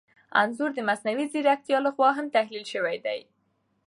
انځور د مصنوعي ځیرکتیا لخوا هم تحلیل شوی دی.